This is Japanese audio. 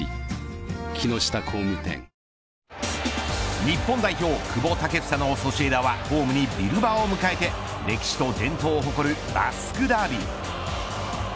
日本代表、久保建英のソシエダはホームにビルバオを迎えて歴史と伝統を誇るバスクダービー。